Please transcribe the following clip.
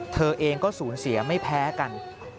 เธอเองก็สูญเสียไม่แพ้กัน